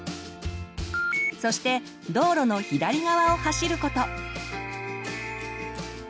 そして道路の左側を走ること。